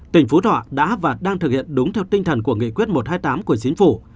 tỉnh phú thọ đã và đang thực hiện đúng theo tinh thần của nghị quyết một trăm hai mươi tám của chính phủ